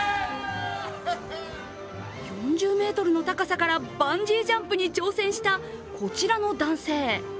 ４０ｍの高さからバンジージャンプに挑戦したこちらの男性。